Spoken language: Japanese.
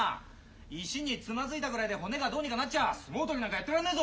石につまずいたぐらいで骨がどうにかなっちゃ相撲取りなんかやってらんねえぞ！